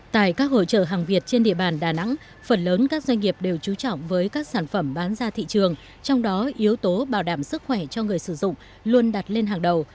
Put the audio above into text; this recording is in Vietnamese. tại các hội trợ hàng việt trên địa bàn đà nẵng phần lớn các doanh nghiệp đều trú trọng với các sản phẩm bán ra thị trường trong đó yếu tố bảo đảm sức khỏe cho người sử dụng luôn đặt lên hàng đầu